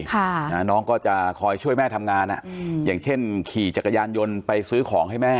ค่ะนะน้องก็จะคอยช่วยแม่ทำงานอ่ะอืมอย่างเช่นขี่จักรยานยนต์ไปซื้อของให้แม่